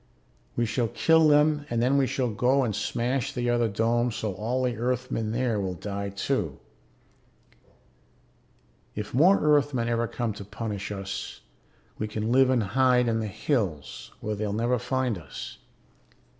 We shall kill them and then we shall go and smash the other dome so all the Earthmen there will die too. If more Earthmen ever come to punish us, we can live and hide in the hills where they'll never find us.